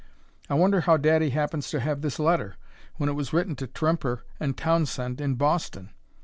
I wonder how daddy happens to have this letter, when it was written to Tremper & Townsend, in Boston!"